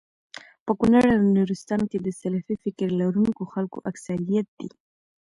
په کونړ او نورستان کي د سلفي فکر لرونکو خلکو اکثريت دی